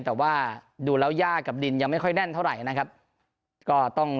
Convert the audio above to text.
แต่ว่าดูแล้วยากกับดินยังไม่ค่อยแน่นเท่าไหร่นะครับก็ต้อง